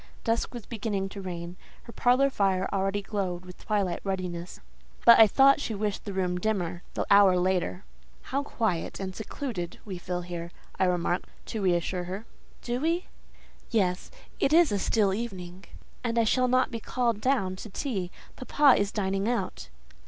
Dusk was beginning to reign; her parlour fire already glowed with twilight ruddiness; but I thought she wished the room dimmer, the hour later. "How quiet and secluded we feel here!" I remarked, to reassure her. "Do we? Yes; it is a still evening, and I shall not be called down to tea; papa is dining out."